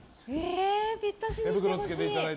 ぴったしにしてほしい。